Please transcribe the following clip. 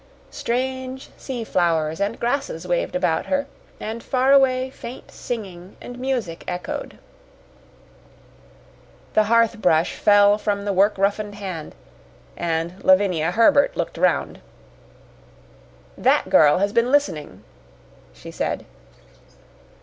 Strange sea flowers and grasses waved about her, and far away faint singing and music echoed. The hearth brush fell from the work roughened hand, and Lavinia Herbert looked round. "That girl has been listening," she said.